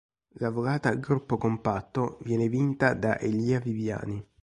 La volata a gruppo compatto viene vinta da Elia Viviani.